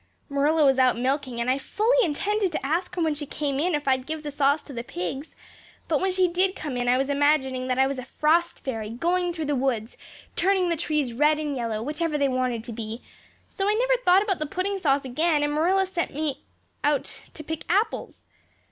Marilla was out milking and I fully intended to ask her when she came in if I'd give the sauce to the pigs; but when she did come in I was imagining that I was a frost fairy going through the woods turning the trees red and yellow, whichever they wanted to be, so I never thought about the pudding sauce again and Marilla sent me out to pick apples.